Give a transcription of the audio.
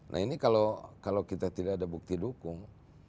nah ini kalau kita tidak ada bukti dukung